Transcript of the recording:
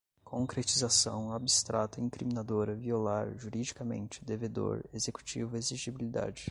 concretização, abstrata, incriminadora, violar, juridicamente, devedor, executivo exigibilidade